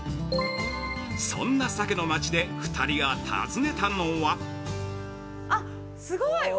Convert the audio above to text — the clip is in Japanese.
そんな鮭の町で、２人が訪ねたのは◆すごい！